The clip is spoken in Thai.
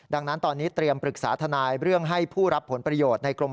ดังนั้นตอนนี้เตรียมปรึกษาทนายเรื่องให้ผู้รับผลประโยชน์ในกรม